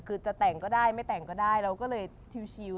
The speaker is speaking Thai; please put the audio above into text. คือจะแต่งก็ได้ไม่แต่งก็ได้เราก็เลยชิว